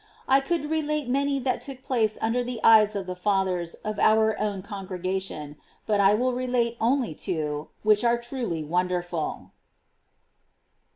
I could relate many that took place under the eyes of the fathers of our own congregation ; but I will relate only two, which are truly wonderful.